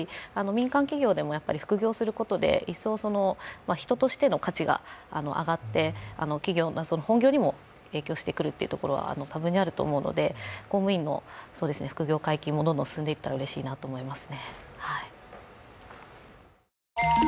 民間企業でも副業することで一層、人としての価値が上がって本業にも影響してくることは完全にあると思うので、公務員の副業解禁もどんどん進んでいったらうれしいなと思います。